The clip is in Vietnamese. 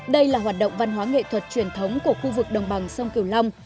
đây là hoạt động văn hóa nghệ thuật truyền thống của khu vực đồng bằng sông kiều long